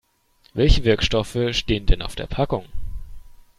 Welche Wirkstoffe stehen denn auf der Packung?